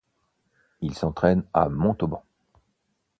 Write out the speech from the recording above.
Il s'entraîne à Montauban.